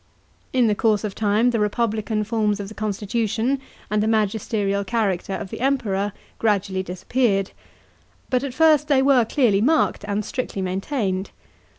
In the course of time the republican forms of the constitution and the magisterial character of the Emperor gradually disappeared ; but at first they were clearly marked and strictly maintained.